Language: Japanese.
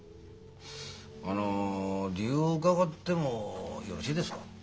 あの理由を伺ってもよろしいですか？